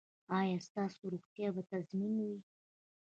ایا ستاسو روغتیا به تضمین وي؟